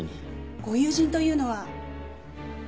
ご友人というのは？